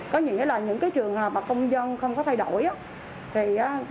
có nghĩa là những cái trường hợp mà công dân không có thay đổi thì vẫn sẽ